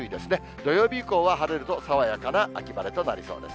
土曜日以降は晴れると爽やかな秋晴れとなりそうです。